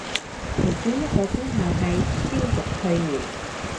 其中一個功效係消毒退炎